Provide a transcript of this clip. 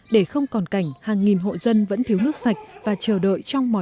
để không còn cảnh hàng nghìn hộ dân vẫn thiếu nước sạch và chờ đợi trong mỏi mòn